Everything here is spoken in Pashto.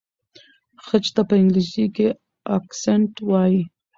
خج ته په انګلیسۍ کې اکسنټ وایي.